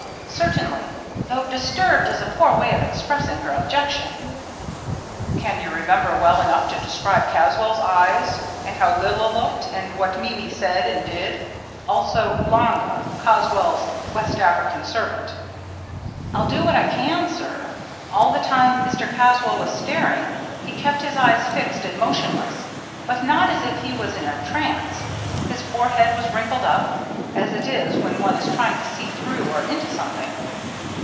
"Certainly though 'disturbed' is a poor way of expressing her objection." "Can you remember well enough to describe Caswall's eyes, and how Lilla looked, and what Mimi said and did? Also Oolanga, Caswall's West African servant." "I'll do what I can, sir. All the time Mr. Caswall was staring, he kept his eyes fixed and motionless but not as if he was in a trance. His forehead was wrinkled up, as it is when one is trying to see through or into something.